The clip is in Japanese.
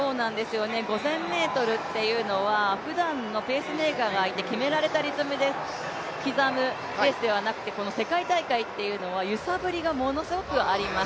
５０００ｍというのはふだんのペースメーカーがいて、決められたリズムで決まるレースではなくて世界大会というのは揺さぶりがものすごくあります。